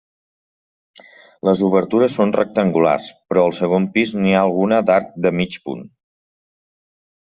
Les obertures són rectangulars però al segon pis n’hi ha alguna d’arc de mig punt.